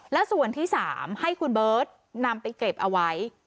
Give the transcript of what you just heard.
และส่วนที่๓ให้คุณเบิร์ตนำไปเก็บเอาไว้